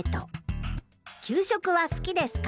「給食は好きですか？」